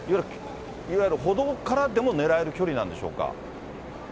いわゆる歩道からでも狙える距離なんでしょうか。